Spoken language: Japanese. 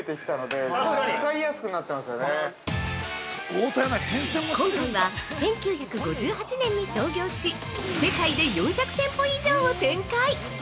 ◆今回は、１９５８年に創業し、世界で４００店舗以上を展開！